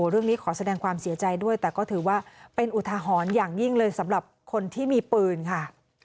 เรื่องนี้ขอแสดงความเสียใจด้วยแต่ก็ถือว่าเป็นอุทหรณ์อย่างยิ่งเลยสำหรับคนที่มีปืนค่ะ